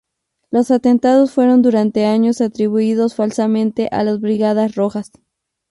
Los atentados fueron durante años atribuidos falsamente a las Brigadas Rojas.